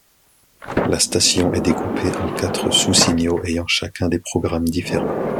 La station est découpée en quatre sous-signaux ayant chacun des programmes différents.